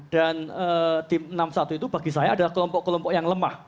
dan tim enam puluh satu itu bagi saya adalah kelompok kelompok yang lemah